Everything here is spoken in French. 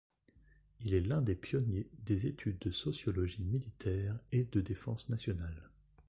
Il est l'un des pionniers des études de sociologie militaire et de défense nationale.